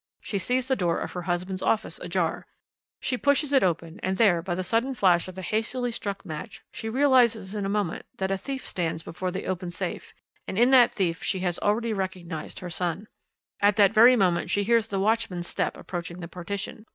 She sees the door of her husband's office ajar, she pushes it open, and there, by the sudden flash of a hastily struck match she realizes in a moment that a thief stands before the open safe, and in that thief she has already recognized her son. At that very moment she hears the watchman's step approaching the partition.